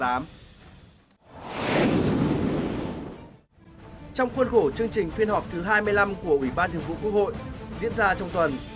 trong khuôn khổ chương trình phiên họp thứ hai mươi năm của ủy ban thường vụ quốc hội diễn ra trong tuần